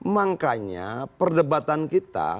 makanya perdebatan kita